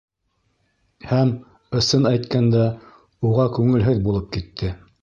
Һәм, ысын әйткәндә, уға күңелһеҙ булып китте.